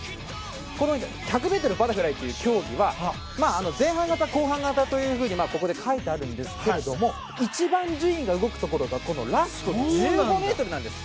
この１００ｍバタフライという競技は前半型、後半型というふうにここに書いてあるんですけれども一番順位が動くところがラスト１５ｍなんです。